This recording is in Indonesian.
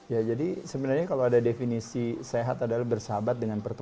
ya jadi sebenarnya kalau ada definisi sehat adalah bersahabat dengan pertumbuhan